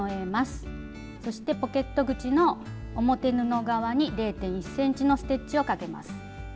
そしてポケット口の表布側に０．１ｃｍのステッチをかけます。